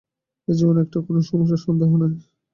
এই জীবন একটা কঠিন সমস্যা, সন্দেহ নাই।